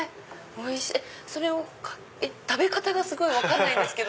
それをえっ食べ方が分かんないんですけど。